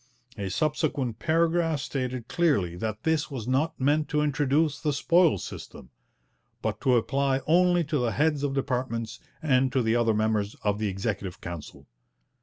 A subsequent paragraph stated clearly that this was not meant to introduce the 'spoils system,' but to apply only to the heads of departments and to the other members of the Executive Council.